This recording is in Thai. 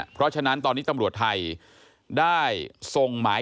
เพราะฉะนั้นตอนนี้ตำรวจไทย